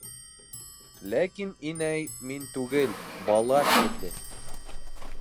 Ләкин, инәй, мин түгел, бала сирле!